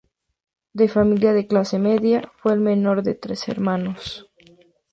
De familia de clase media, fue el menor de trece hermanos.